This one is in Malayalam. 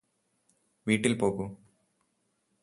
വീട്ടില് പോകൂ